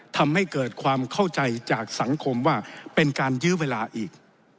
ทำให้เกิดความเข้าใจจากสังคมว่าเป็นการยื้อเวลาอีก